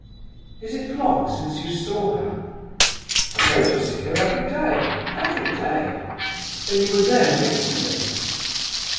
"Is it long since you saw her?" "I go to see her every day, every day." "Then you were there yesterday?"